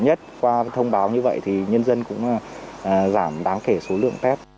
thứ nhất qua thông báo như vậy thì nhân dân cũng giảm đáng kể số lượng test